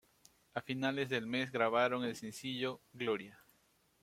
A finales de mes grabaron el sencillo: "Gloria".